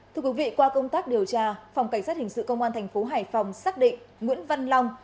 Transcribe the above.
thưa quý vị qua công tác điều tra phòng cảnh sát hình sự công an thành phố hải phòng xác định nguyễn văn long